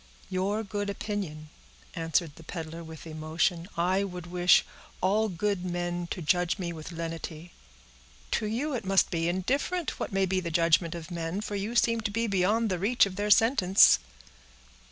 "Your good opinion," answered the peddler, with emotion. "I would wish all good men to judge me with lenity." "To you it must be indifferent what may be the judgment of men; for you seem to be beyond the reach of their sentence."